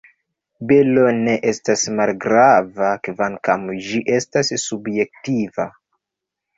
Belo ne estas malgrava, kvankam ĝi estas subjektiva.